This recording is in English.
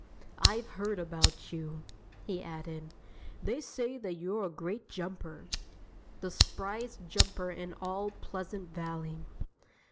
I've heard about you," he added. "They say that you're a great jumper the spriest jumper in all Pleasant Valley."